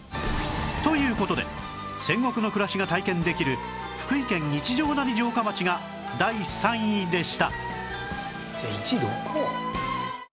という事で戦国の暮らしが体験できる福井県一乗谷城下町が第３位でした